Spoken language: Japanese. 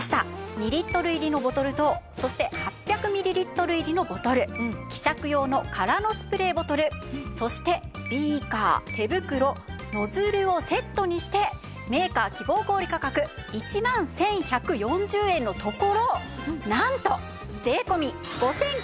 ２リットル入りのボトルとそして８００ミリリットル入りのボトル希釈用の空のスプレーボトルそしてビーカー手袋ノズルをセットにしてメーカー希望小売価格１万１１４０円のところなんと税込５９８０円です。